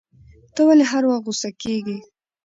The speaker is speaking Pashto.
ته ولي هر وخت غوسه کیږی